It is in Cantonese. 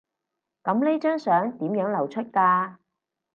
噉呢張相點樣流出㗎？